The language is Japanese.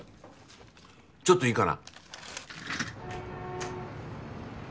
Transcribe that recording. ちょっといいかな？